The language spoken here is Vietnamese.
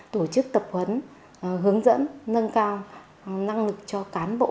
tổ chức tập huấn hướng dẫn nâng cao năng lực cho cán bộ